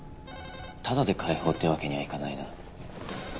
ただで解放ってわけにはいかないな。